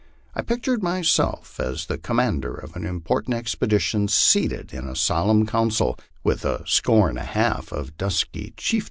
I pictured to myself the commander of an important expedition seated in solemn council with a score and a half of dusky chief MY LIFE OX THE PLAINS.